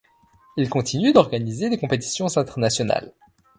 Il continue d'organiser des compétitions internationales.